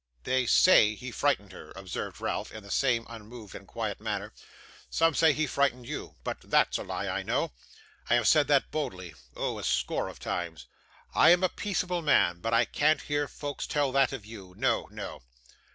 'They SAY he frightened her,' observed Ralph, in the same unmoved and quiet manner. 'Some say he frightened you, but THAT'S a lie, I know. I have said that boldly oh, a score of times! I am a peaceable man, but I can't hear folks tell that of you. No, no.